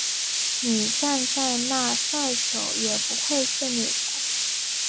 你站在那再久也不会是你的